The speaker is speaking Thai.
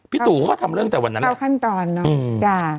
พี่ตู่เขาทำเรื่องแต่วันนั้นแหละเข้าขั้นตอนเนอะ